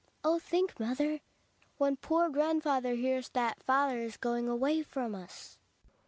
Oh, think, mother, when poor grandfather hears that father is going away from us.